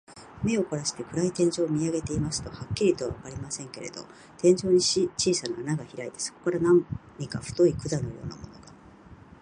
目をこらして、暗い天井を見あげていますと、はっきりとはわかりませんけれど、天井に小さな穴がひらいて、そこから何か太い管のようなものが、